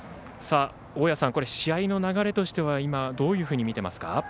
大矢さん、試合の流れとしては今どういうふうに見ていますか。